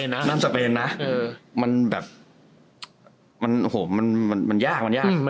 นั่นสเปนนะมันแบบโหมันยาก